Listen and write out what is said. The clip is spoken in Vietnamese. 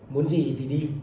muốn gì thì đi